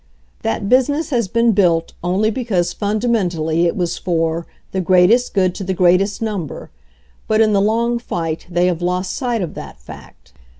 That business has been built only because fun damentally it was for "the greatest good to the greatest number," but in the long fight they have lost sight of that fact.